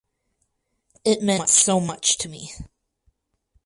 It meant so much to me.